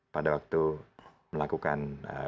pada waktu melakukan